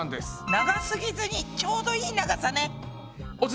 長すぎずにちょうどいい長さね。